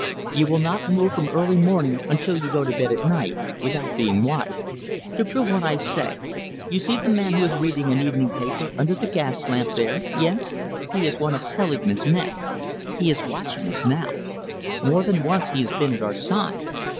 You will not move from early morning until you go to bed at night, without being watched. To prove what I say you see the man who is reading an evening paper under the gas lamp there? Yes? He is one of Selingman's men. He is watching us now. More than once he has been at our side.